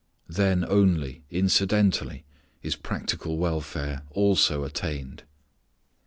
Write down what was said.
Then only, incidentally, is practical welfare also attained.